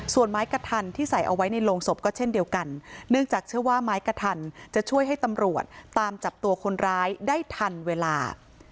ส่วนไม้กระทันที่ใส่เอาไว้ในโรงศพก็เช่นเดียวกันเนื่องจากเชื่อว่าไม้กระทันจะช่วยให้ตำรวจตามจับตัวคนร้ายได้ทันเวลา